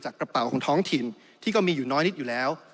กระเป๋าของท้องถิ่นที่ก็มีอยู่น้อยนิดอยู่แล้ว